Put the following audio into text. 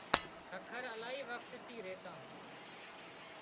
ککر الاهي وکت ٿي ريتان